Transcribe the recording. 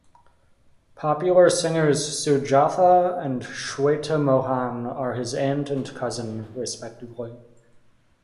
Popular singers Sujatha and Shweta Mohan are his aunt and cousin respectively.